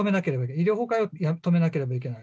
医療崩壊を止めなければいけない。